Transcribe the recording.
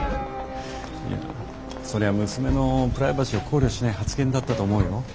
いやそりゃ娘のプライバシーを考慮しない発言だったと思うよ？